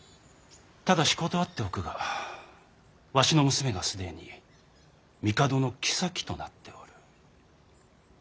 ただし断っておくがわしの娘が既に帝の后となっておる。